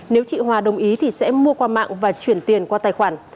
nếu chị hòa đồng ý thì sẽ mua qua mạng và chuyển tiền qua tài khoản